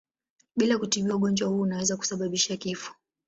Bila kutibiwa ugonjwa huu unaweza kusababisha kifo.